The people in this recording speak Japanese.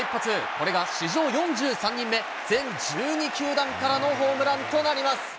これが史上４３人目、全１２球団からのホームランとなります。